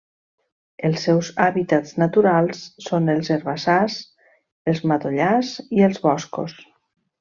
Els seus hàbitats naturals són els herbassars, els matollars i els boscos.